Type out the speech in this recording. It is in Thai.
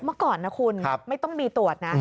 เมื่อก่อนนะคุณไม่ต้องมีตรวจนะ